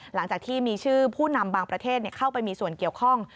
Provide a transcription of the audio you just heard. หลังจากที่มีชื่อผู้นำบางประเทศเข้าไปมีส่วนเกี่ยวข้อง